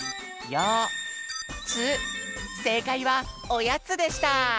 せいかいはおやつでした！